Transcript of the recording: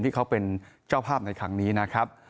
ที่เขาเป็นเจ้าภาพในครั้งนี้นะครับ